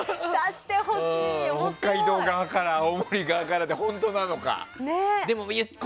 北海道側から、青森側からで本当なのか。